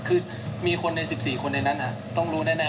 คือมีคนใน๑๔คนในนั้นต้องรู้แน่